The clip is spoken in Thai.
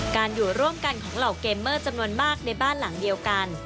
อยู่ร่วมกันของเหล่าเกมเมอร์จำนวนมากในบ้านหลังเดียวกัน